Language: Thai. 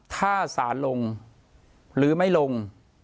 ถ้าสารลงหรือไม่ลง